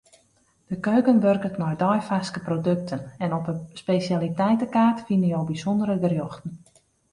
De keuken wurket mei deifarske produkten en op 'e spesjaliteitekaart fine jo bysûndere gerjochten.